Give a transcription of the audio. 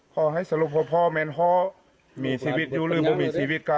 ขอให้สรบพอพอแมนพอมีสีวิตอยู่ลืมว่ามีสีวิตกะ